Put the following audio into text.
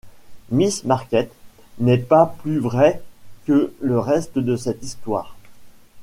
Miss Marquet n’est pas plus vraie que le reste de cette histoire.